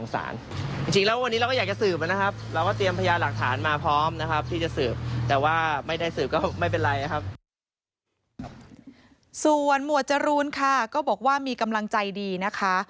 ส่วนหมวดจรูนค่ะก็บอกว่ามีกำลังใจดีนะคะ